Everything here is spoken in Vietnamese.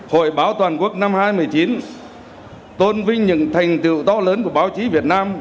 hội báo toàn quốc năm hai nghìn một mươi chín tôn vinh những thành tựu to lớn của báo chí việt nam